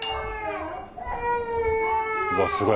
うわすごい。